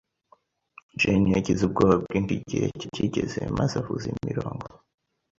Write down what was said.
Jane yagize ubwoba bwinshi igihe cye kigeze, maze avuza imirongo.